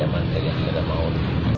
adalah yang terdiri dari kota kali semarang